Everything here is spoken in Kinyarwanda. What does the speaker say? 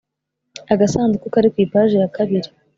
agasanduku kari ku ipaji ya kabiri